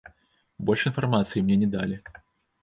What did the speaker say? Больш інфармацыі мне не далі.